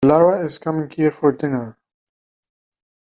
Lara is coming here for dinner.